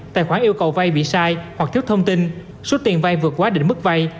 tài khoản yêu cầu vay bị sai hoặc thiếu thông tin số tiền vay vượt quá đỉnh mức vay